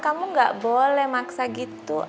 kamu gak boleh maksa gitu